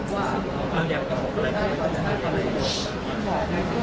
ว่า